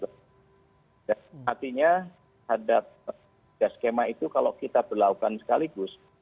dan artinya hadap ke skema itu kalau kita berlakukan sekaligus